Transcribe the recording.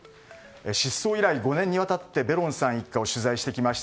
失踪以来５年にわたってベロンさん一家を取材してきました